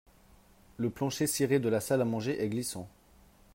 Le plancher ciré de la salle à manger est glissant